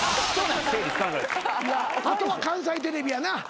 あとは関西テレビやな。